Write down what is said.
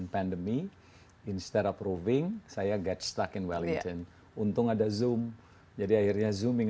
pandemi instead of roving saya get stuck in wellington untung ada zoom jadi akhirnya zooming